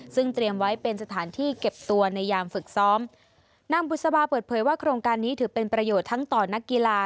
ซึ่งเตรียมไว้เป็นสถานที่เก็บตัวในยามฝึกซ้อมนางบุษบาเปิดเผยว่าโครงการนี้ถือเป็นประโยชน์ทั้งต่อนักกีฬา